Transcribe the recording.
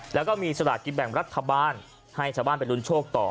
แล้วก็มีสลากกินแบ่งรัฐบาลให้ชาวบ้านไปลุ้นโชคต่อ